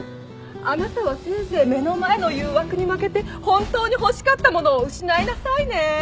あなたはせいぜい目の前の誘惑に負けて本当に欲しかったものを失いなさいね。